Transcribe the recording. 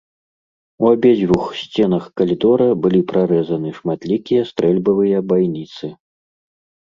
У абедзвюх сценах калідора былі прарэзаны шматлікія стрэльбавыя байніцы.